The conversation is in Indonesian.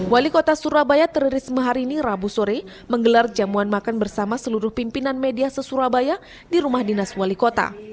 wali kota surabaya tririsma hari ini rabu sore menggelar jamuan makan bersama seluruh pimpinan media se surabaya di rumah dinas wali kota